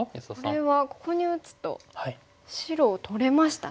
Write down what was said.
これはここに打つと白を取れましたね。